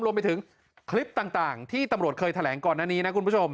รวมไปถึงคลิปต่างที่ตำรวจเคยแถลงก่อนหน้านี้นะคุณผู้ชม